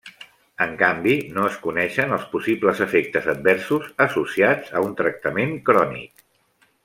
En canvi no es coneixen els possibles efectes adversos associats a un tractament crònic.